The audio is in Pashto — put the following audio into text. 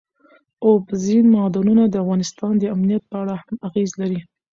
اوبزین معدنونه د افغانستان د امنیت په اړه هم اغېز لري.